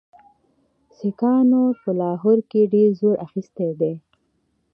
سیکهانو په لاهور کې ډېر زور اخیستی دی.